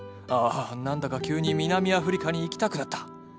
ああ何だか急に南アフリカに行きたくなった。